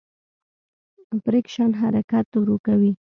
فریکشن حرکت ورو کوي.